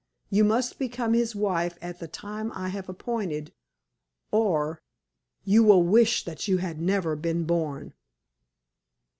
You must become his wife at the time I have appointed, or you will wish that you had never been born!"